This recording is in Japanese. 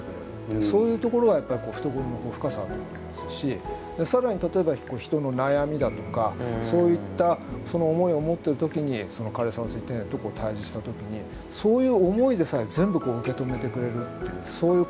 そういうところがやっぱり懐の深さだと思いますし更に例えば人の悩みだとかそういった思いを持ってる時に枯山水庭園と対峙した時にそういう思いでさえ全部受け止めてくれるっていうそういう